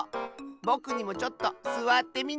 ぼくにもちょっとすわってみない？